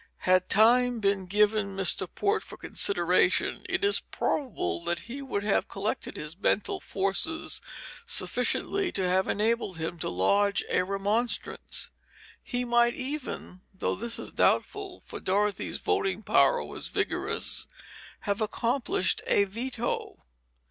Had time been given Mr. Port for consideration it is probable that he would have collected his mental forces sufficiently to have enabled him to lodge a remonstrance; he might even though this is doubtful, for Dorothy's voting power was vigorous have accomplished a veto.